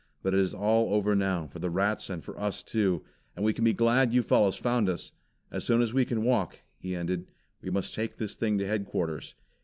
But it is all over now, for the rats and for us too; and we can be glad you fellows found us. As soon as we can walk," he ended, "we must take this thing to headquarters.